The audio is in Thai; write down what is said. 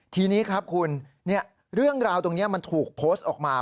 ทีนี้ครับคุณเรื่องราวตรงนี้มันถูกโพสต์ออกมา